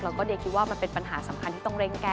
แล้วก็เดียคิดว่ามันเป็นปัญหาสำคัญที่ต้องเร่งแก้